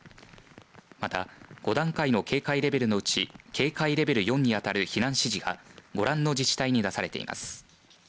また５段階の警戒レベルのうち警戒レベル４にあたる避難指示がご覧の自治体に出されています。